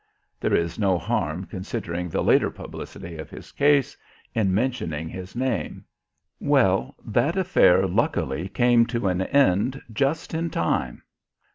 (There is no harm, considering the later publicity of his case, in mentioning his name.) Well, that affair luckily came to an end just in time.